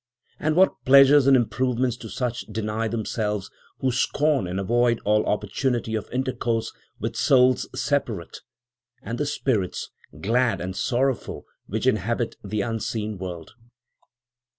And what pleasures and improvements do such deny themselves who scorn and avoid all opportunity of intercourse with souls separate, and the spirits, glad and sorrowful, which inhabit the unseen world!"